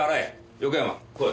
横山来い。